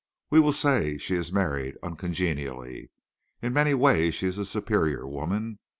We will say she is married uncongenially. In many ways she is a superior woman.